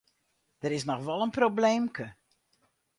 Der is noch wol in probleemke.